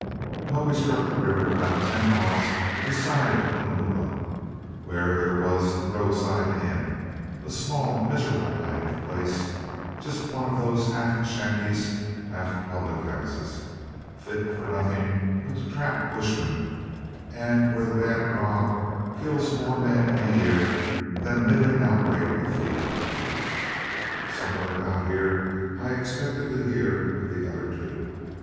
Well, we struck the river about ten miles this side of Cunnamulla, where there was a roadside inn, a small, miserable kind of place, just one of those half shanties, half public houses, fit for nothing but to trap bushmen, and where the bad grog kills more men in a year than a middling break out of fever. Somewhere about here I expected to hear of the other two.